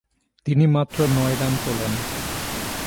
তিনি মাত্র নয় রান তোলেন।